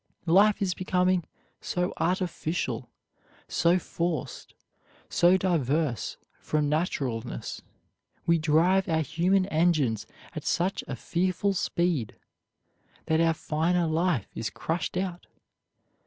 Life is becoming so artificial, so forced, so diverse from naturalness, we drive our human engines at such a fearful speed, that our finer life is crushed out.